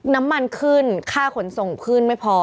น้ำมันขึ้นค่าขนส่งขึ้นไม่พอ